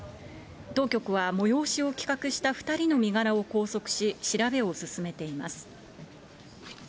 当局は催しを企画した２人の身柄を拘束し、調べを進めています。